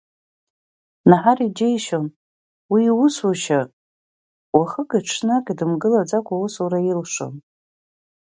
Наҳар иџьеишьон, уи иусушьа уахыки-ҽнаки дымгылаӡакәа аусура илшон.